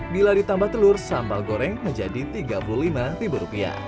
bila ditambah telur sambal goreng menjadi rp tiga puluh lima